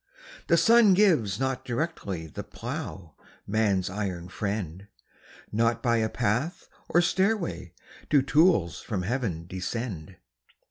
The sun gives not directly The plough, man's iron friend; Not by a path or stairway Do tools from Heaven descend.